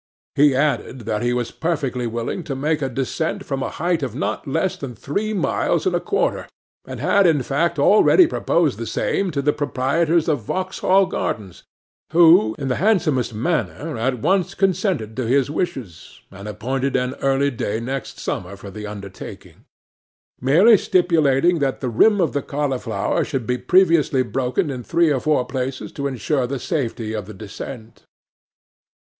He added that he was perfectly willing to make a descent from a height of not less than three miles and a quarter; and had in fact already proposed the same to the proprietors of Vauxhall Gardens, who in the handsomest manner at once consented to his wishes, and appointed an early day next summer for the undertaking; merely stipulating that the rim of the cauliflower should be previously broken in three or four places to ensure the safety of the descent.